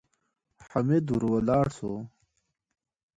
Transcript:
حميد ورو ولاړ شو.